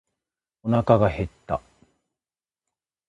おなかが減った。